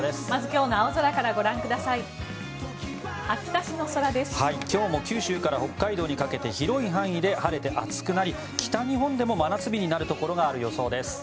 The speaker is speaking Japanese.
今日も九州から北海道にかけて広い範囲で晴れて暑くなり北日本でも真夏日になるところがある予想です。